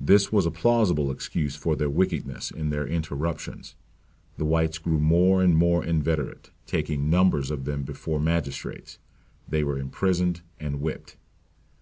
This was a plausible excuse for their wickedness in their interruptions. The whites grew more and more inveterate; taking numbers of them before magistrates they were imprisoned and whipped.